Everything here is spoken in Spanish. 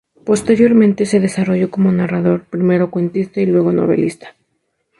Posteriormente se desarrolló como narrador, primero cuentista y luego novelista.